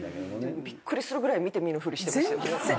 びっくりするぐらい見て見ぬふりしてました。